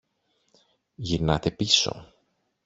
Γυρνάτε πίσω!